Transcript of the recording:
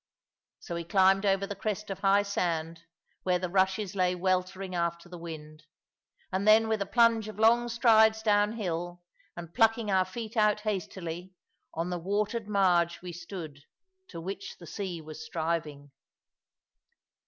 So we climbed over the crest of high sand, where the rushes lay weltering after the wind; and then with a plunge of long strides down hill, and plucking our feet out hastily, on the watered marge we stood, to which the sea was striving.